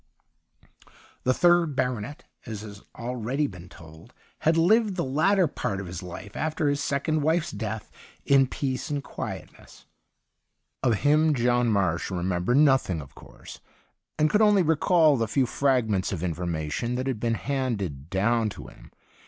The third baronet, as has already been told, had lived the latter part of his life, after his second wife's death, in peace and quietness. Of 125 THE UNDYING THING him John Marsh remembered nothing, of course, and could only recall the few fragments of informa tion that had been handed down to him.